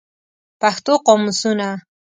پښتو قاموسونه